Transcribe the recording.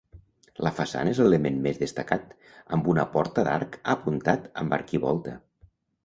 La façana és l'element més destacat, amb una porta d'arc apuntat amb arquivolta.